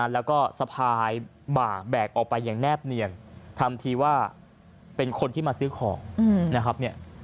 แล้วก็สะพายบ่าแบกออกไปอย่างแนบเนียนทำทีว่าเป็นคนที่มาซื้อของนะครับ